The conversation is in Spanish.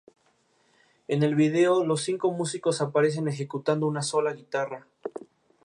En el video, los cinco músicos aparecen ejecutando una sola guitarra.